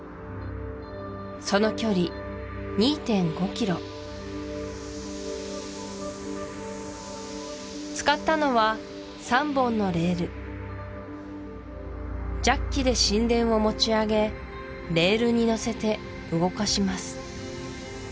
その距離２．５ｋｍ使ったのは３本のレールジャッキで神殿を持ち上げレールにのせて動かします